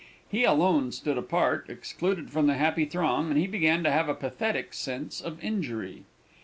He alone stood apart, excluded from the happy throng, and he began to have a pathetic sense of injury.